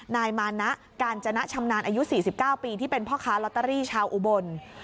นายมานะกาญจนะชำนาญอายุ๔๙ปีที่เป็นพ่อค้าลอตเตอรี่ชาวอุบล